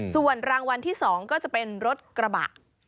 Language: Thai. ส่วนรางวัลที่๒ก็จะเป็นรถกระบะ